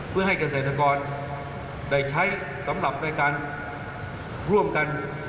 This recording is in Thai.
เพื่อให้เกษตรกรได้ใช้สำหรับในการร่วมกัน